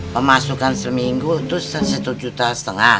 pemasukan seminggu itu satu juta setengah